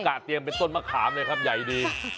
ะเตรียมเป็นต้นมะขามเลยครับใหญ่ดี